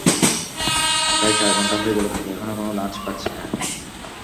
প্রায় চার ঘণ্টা হয়ে গেল কিন্তু এখনো কোনো লঞ্চ পাচ্ছি না।